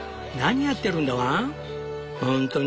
何やってるんだワン？